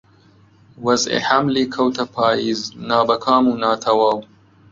وەزعی حەملی کەوتە پاییز نابەکام و ناتەواو